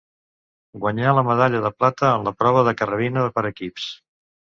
Guanyà la medalla de plata en la prova de carrabina per equips.